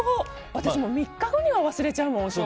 私、３日後には忘れちゃうもん。